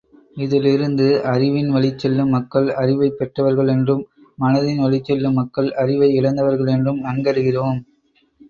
இதிலிருந்து அறிவின் வழிச்செல்லும் மக்கள் அறிவைப் பெற்றவர்கள் என்றும், மனதின்வழிச் செல்லும் மக்கள் அறிவை இழந்தவர்கள் என்றும் நன்கறிகிறோம்.